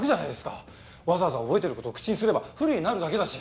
わざわざ覚えてる事を口にすれば不利になるだけだし。